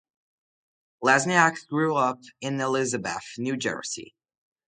Lesniak grew up in Elizabeth, New Jersey.